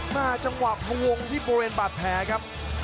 หน้าจังหวับทะวงที่บริเวณบาดแผ่ครับ